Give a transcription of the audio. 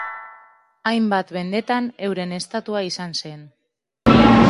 Hainbat mendetan euren estatua izan zen.